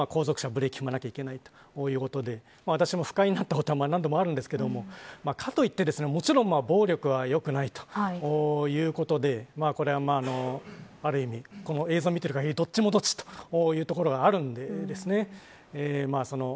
後続車はブレーキを踏まなければいけないということで、私も不快になったことは何度もあるんですがかといってもちろん暴力はよくないということでこれは、ある意味映像を見ている限りどっちもどっちというところがあるんです。